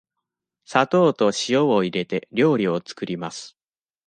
砂糖と塩を入れて、料理を作ります。